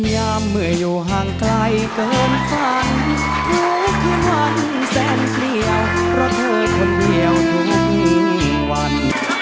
ยามเมื่ออยู่ห่างไกลเกินฝันทุกคืนวันแสนเพลียเพราะเธอคนเดียวทุกวัน